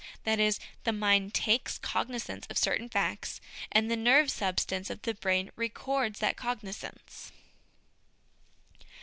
That is, the mind takes cognisance of certain facts, and the nerve substance of the brain records that cognisance.